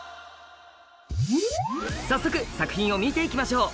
早速作品を見ていきましょう。